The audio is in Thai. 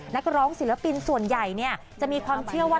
นักร้องศิลปินส่วนใหญ่จะมีความเชื่อว่า